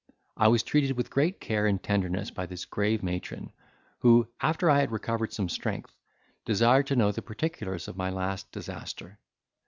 I was treated with great care and tenderness by this grave matron, who, after I had recovered some strength, desired to know the particulars of my last disaster.